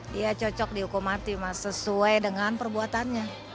dia cocok dihukum mati mas sesuai dengan perbuatannya